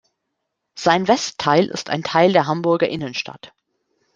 Sein Westteil ist ein Teil der Hamburger Innenstadt.